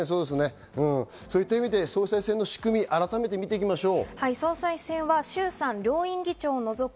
そういった意味で総裁選の仕組みを改めて見ていきましょう。